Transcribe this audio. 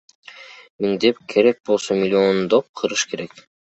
Миңдеп, керек болсо миллиондоп кырыш керек.